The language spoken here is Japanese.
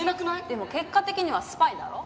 でも結果的にはスパイだろ？